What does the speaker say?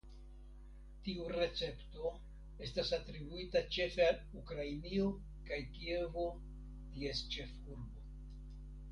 Tiu recepto estas atribuita ĉefe al Ukrainio kaj Kievo ties ĉefurbo.